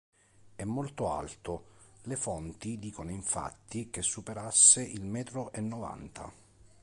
È molto alto: le fonti dicono infatti che superasse il metro e novanta.